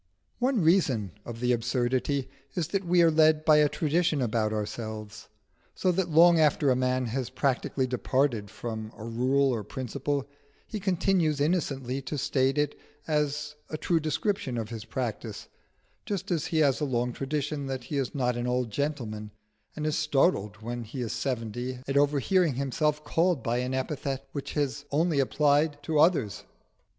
One reason of the absurdity is that we are led by a tradition about ourselves, so that long after a man has practically departed from a rule or principle, he continues innocently to state it as a true description of his practice just as he has a long tradition that he is not an old gentleman, and is startled when he is seventy at overhearing himself called by an epithet which he has only applied to others.